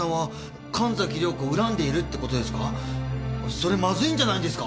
それまずいんじゃないですか？